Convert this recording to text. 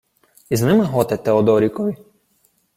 — Із ними готи Теодорікові.